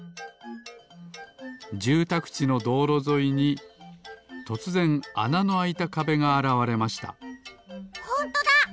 じゅうたくちのどうろぞいにとつぜんあなのあいたかべがあらわれましたほんとだ！